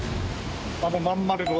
あの真ん丸の。